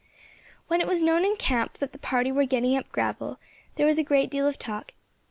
When it was known in camp that the party were getting up gravel, there was a great deal of talk.